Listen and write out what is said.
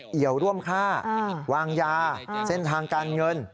ี่ยวร่วมค่าวางยาเส้นทางการเงิน